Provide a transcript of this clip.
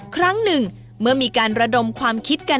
ครั้งหนึ่งเมื่อมีการระดมความคิดกัน